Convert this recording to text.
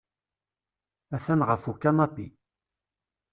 Atan ɣef ukanapi.